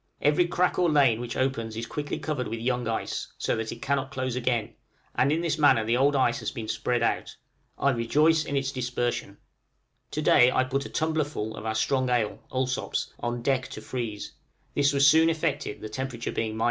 Every crack or lane which opens is quickly covered with young ice, so that it cannot close again; and in this manner the old ice has been spread out. I rejoice in its dispersion! {RETURN OF THE SUN.} To day I put a tumblerful of our strong ale (Allsopp's) on deck to freeze: this was soon effected, the temperature being 35°.